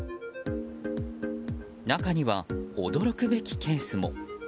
中には驚くべきケースも。